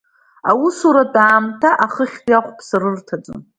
Аусуратә аамҭа ахыхьтәи ахәԥса рырҭаӡом.